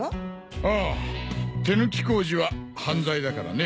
ああ手抜き工事は犯罪だからね。